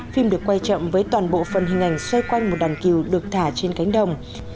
phim được quay chậm với toàn bộ phần hình ảnh xoay quanh một đàn cừu được thả trên cánh đồng